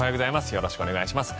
よろしくお願いします。